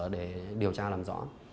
để điều tra làm rõ